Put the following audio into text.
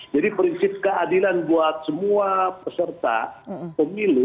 jadi prinsip keadilan buat semua peserta pemilu